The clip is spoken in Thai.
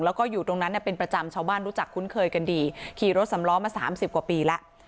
แล้วก็อยู่ตรงนั้นเป็นประจำชาวบ้านรู้จักคุ้นเคยกันดีขี่รถสำล้อมาสามสิบกว่าปีแล้ว